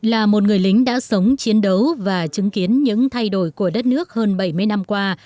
là một người lính đã sống chiến đấu và chứng kiến những thay đổi của đất nước hơn bảy mươi năm qua